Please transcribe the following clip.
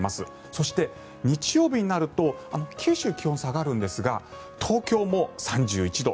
そして、日曜日になると九州は気温が下がるんですが東京も３１度。